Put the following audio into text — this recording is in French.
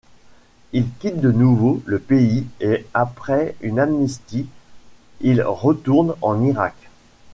Il quitte de nouveau le pays et, après une amnistie, il retourne en Irak.